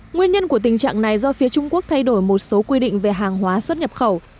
nguyên nhân của tình trạng này do phía trung quốc thay đổi một số quy định về hàng hóa xuất nhập khẩu